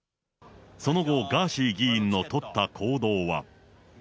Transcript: その後ガーシー議員の取った行動は。